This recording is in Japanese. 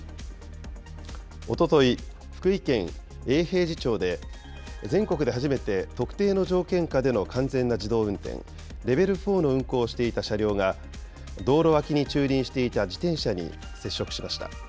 おととい、福井県永平寺町で全国で初めて特定の条件下での完全な自動運転レベル４の運行をしていた車両が、道路脇に駐輪していた自転車に接触しました。